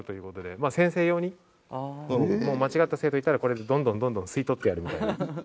まあ先生用に間違った生徒がいたらこれでどんどんどんどん吸い取ってやるみたいな。